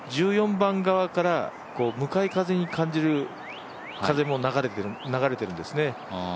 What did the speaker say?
１４番側から向かい風に感じる風も流れてるんですね。